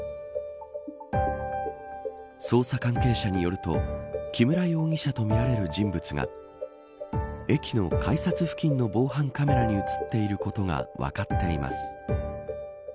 捜査関係者によると木村容疑者とみられる人物が駅の改札付近の防犯カメラに映っていることが分かっています。